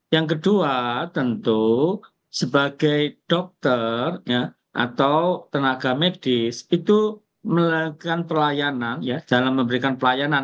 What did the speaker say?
yang kedua tentu sebagai dokter atau tenaga medis itu melakukan pelayanan dalam memberikan pelayanan